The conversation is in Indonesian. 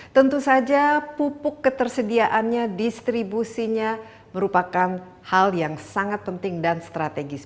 tentu saja pupuk ketersediaannya distribusinya merupakan hal yang sangat penting dan strategis